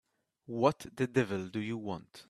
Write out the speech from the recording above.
What the devil do you want?